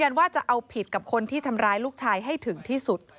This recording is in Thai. ว่าจะเอาผิดกับคนที่ทำร้ายลูกชายให้ถึงที่สุด